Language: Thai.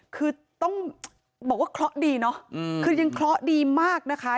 คือต้องบอกว่าเคราะห์ดีเนาะคือยังเคราะห์ดีมากนะคะ